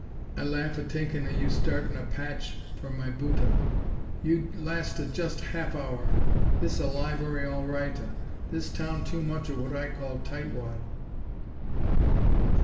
I laugha tinkin' of you startin' on a patcha for my boota! You lasta just a half hour. Thisa library all righta. This town too mucha what I call tight wad!"